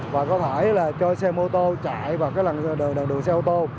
và có thể là cho xe mô tô chạy vào cái đoàn đường xe ô tô